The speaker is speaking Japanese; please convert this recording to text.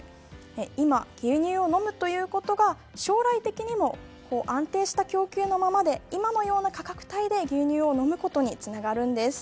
今、牛乳を飲むということが将来的にも安定した供給のままで今のような価格帯で牛乳を飲むことにつながるんです。